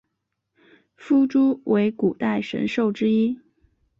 夫诸为古代神兽之一。